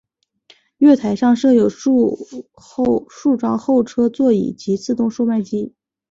月台上设有数张候车座椅及自动售卖机。